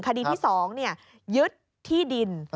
คดีที่๒ยึดที่ดิน